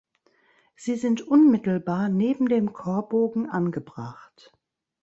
Sie sind unmittelbar neben dem Chorbogen angebracht.